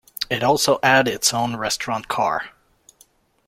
It also had its own restaurant car.